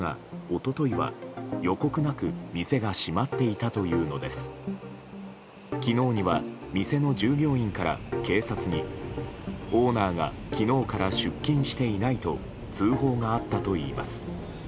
昨日には、店の従業員から警察にオーナーが昨日から出勤していないと通報があったといいます。